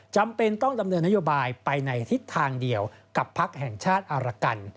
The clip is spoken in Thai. จำเป็นต้องดำเนินนโยบายไปในทิศทางเดียวกับพักแห่งชาติอารกัน